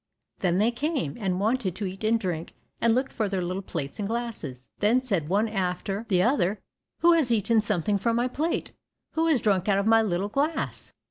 Then they came, and wanted to eat and drink, and looked for their little plates and glasses. Then said one after the other, "Who has eaten something from my plate? Who has drunk out of my little glass?